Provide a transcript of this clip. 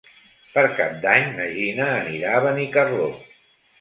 Per Cap d'Any na Gina anirà a Benicarló.